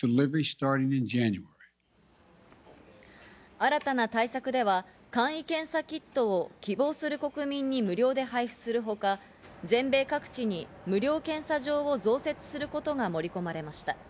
新たな対策では簡易検査キットを希望する国民に無料で配布するほか、全米各地に無料検査場を増設することが盛り込まれました。